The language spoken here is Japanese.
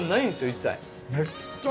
一切。